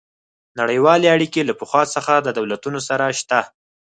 نړیوالې اړیکې له پخوا څخه د دولتونو سره شته